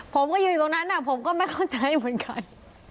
ผมก็ยืนตรงนั้นผมก็ไม่เข้าใจเหมือนกัน